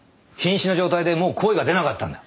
瀕死の状態でもう声が出なかったんだ。